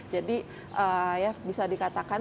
jadi ya bisa dikatakan